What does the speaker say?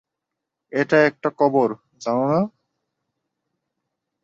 এটা একটা কবর, জানেন না!